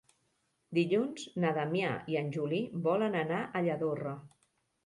Dilluns na Damià i en Juli volen anar a Lladorre.